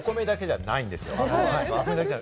お米だけじゃないですよ。